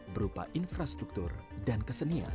berupa infrastruktur dan kesenian